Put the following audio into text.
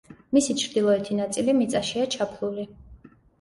მისი ჩრდილოეთი ნაწილი მიწაშია ჩაფლული.